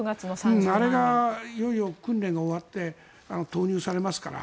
あれがいよいよ訓練が終わって投入されますから。